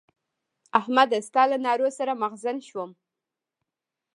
احمده! ستا له نارو سر مغزن شوم.